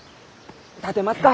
立てますか？